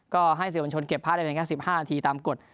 ก็ให้เสียบัญชนเก็บพลาดได้เป็นแค่สิบห้านาทีตามกฎ